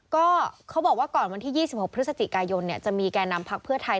ก็เขาบอกว่าก่อนวันที่๒๖พฤศจิกายนจะมีแก่นำพักเพื่อไทย